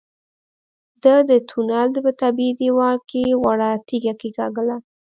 ده د تونل په طبيعي دېوال کې وړه تيږه کېکاږله.